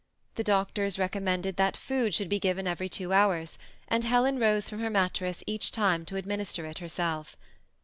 The doctors recom mended that food should be given every two hours, and Helen rose from her mattress each time to administer it herself.